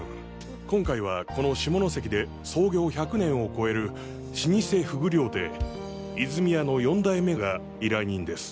今回はこの下関で創業１００年を越える老舗ふぐ料亭泉谷の四代目が依頼人です。